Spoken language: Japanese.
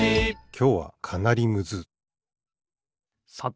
きょうはかなりむずさて